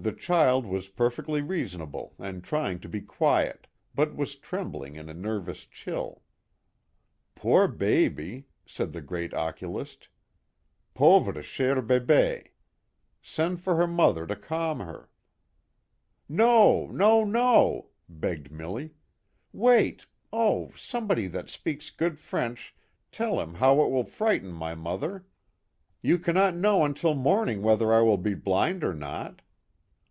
The child was perfectly reasonable and trying to be quiet, but was trembling in a nervous chill. " Poor baby," said the great oculist, " pauvre chere bebe ; send for her mother to calm her." " No, no, no !" begged Milly. " Wait ! Oh ! somebody that speaks good French tell him how it will frighten my mother. You cannot H4 know until morning whether I will be blind or not.